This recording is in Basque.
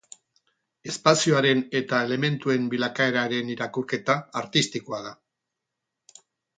Espazioaren eta elementuen bilakaeraren irakurketa artistikoa da.